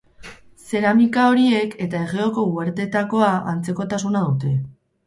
Zeramika horiek eta Egeoko uharteetakoa antzekotasuna dute.